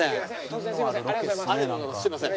突然すいません。